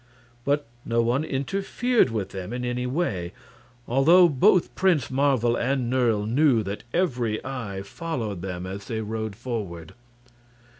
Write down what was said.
But no one interfered with them in any way, although both Prince Marvel and Nerle knew that every eye followed them as they rode forward.